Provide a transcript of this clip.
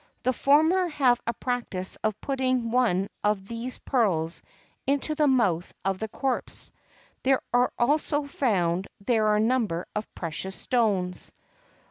The former have a practice of putting one of these pearls into the mouth of the corpse. There are also found there a number of precious stones.